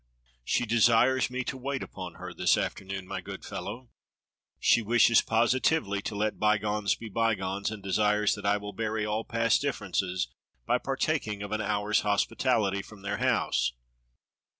"She desires me to wait upon her this afternoon, my good fellow. She wishes positively to let bygones be bygones, and desires that I will bury all past differences by partaking of an hour's hospitality from their house.